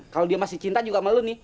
kalo dia masih cinta juga sama lu nih